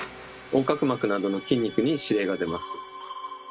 横隔膜などの筋肉に指令が出ます。